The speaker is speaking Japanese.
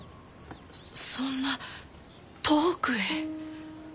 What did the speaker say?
そんな遠くへ？